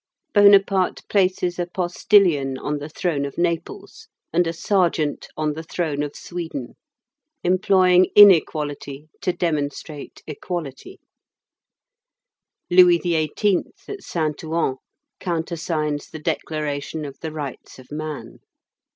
Bonaparte places a postilion on the throne of Naples, and a sergeant on the throne of Sweden, employing inequality to demonstrate equality; Louis XVIII. at Saint Ouen countersigns the declaration of the rights of man.